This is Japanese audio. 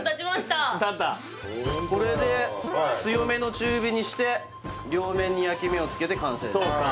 たったこれで強めの中火にして両面に焼き目をつけて完成そうか